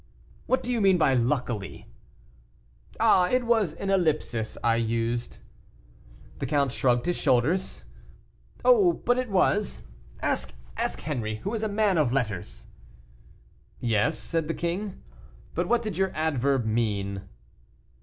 "What do you mean by 'luckily'?" "Ah, it was an ellipsis I used." The count shrugged his shoulders. "Oh, but it was. Ask Henri, who is a man of letters." "Yes," said the king; "but what did your adverb mean?"